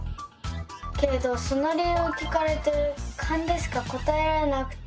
けれどその理由を聞かれてカンでしか答えられなくて。